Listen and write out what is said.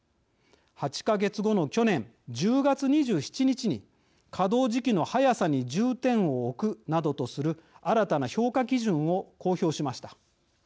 ８か月後の去年１０月２７日に稼働時期の早さに重点を置くなどとする新たな評価基準を公表しました。